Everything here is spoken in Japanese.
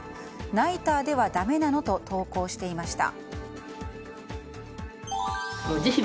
ナイターではだめなの？と投稿していました。